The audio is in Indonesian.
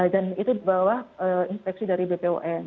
dan itu dibawah inspeksi dari bpum